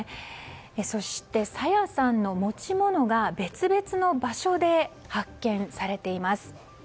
そして、朝芽さんの持ち物が別々の場所で発見されています。